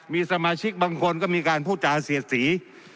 มีสมาชิกบางคนก็มีการพูดจาเสียดสี